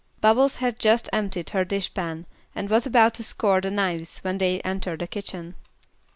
Bubbles had just emptied her dish pan and was about to scour the knives when they entered the kitchen.